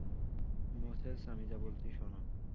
Moses, আমি যা বলছি শোনো।